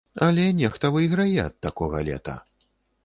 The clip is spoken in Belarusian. Але нехта выйграе ад такога лета.